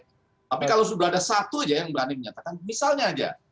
tapi kalau sudah ada satu aja yang berani menyatakan misalnya aja